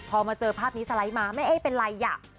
พอมาเจอภาพนี้สไลด์มาแม่เอ๊ะเป็นไรอ่ะ